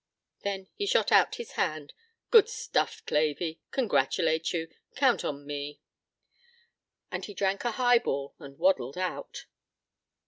Then he shot out his hand. "Good stuff, Clavey. Congratulate you. Count on me." And he drank a highball and waddled out.